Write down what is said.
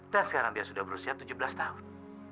dan sekarang dia sudah berusia tujuh belas tahun